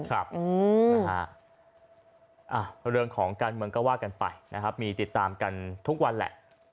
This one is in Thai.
เรื่องของการเมืองก็ว่ากันไปนะครับมีติดตามกันทุกวันแหละ